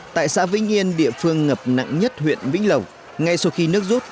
tại xã vĩnh yên địa phương ngập nặng nhất huyện vĩnh lộc ngay sau khi nước rút